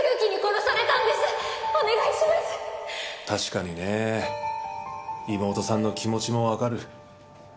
確かにね妹さんの気持ちもわかる。